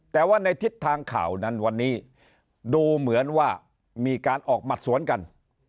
แต่ว่าในทิศทางข่าวนั้นวันนี้ดูเหมือนว่ามีการออกหมัดสวนกัน